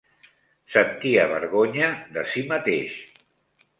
Sentia vergonya de si mateix